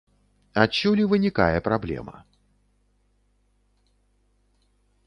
Адсюль і вынікае праблема.